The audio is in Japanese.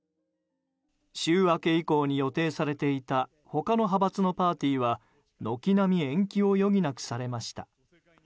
週明け以降に予定されていた他の派閥のパーティーは軒並み延期を余儀なくされました。